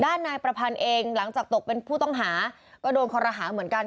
นายประพันธ์เองหลังจากตกเป็นผู้ต้องหาก็โดนคอรหาเหมือนกัน